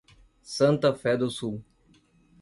Santa Fé do Sul